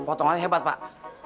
potongannya hebat pak